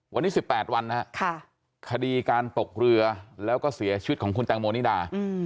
วันนี้๑๘วันนะครับคดีการตกเรือแล้วก็เสียชีวิตของคุณแตงโมนิดา